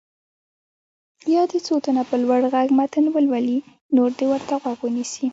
بیا دې څو تنه په لوړ غږ متن ولولي نور دې ورته غوږ ونیسي.